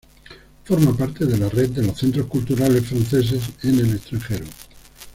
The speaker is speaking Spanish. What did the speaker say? Forma parte de la red de los centros culturales franceses en el extranjero.